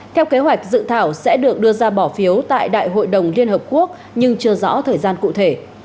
theo kế hoạch dự thảo sẽ được đưa ra bỏ phiếu tại đại hội đồng liên hợp quốc nhưng chưa rõ thời gian cụ thể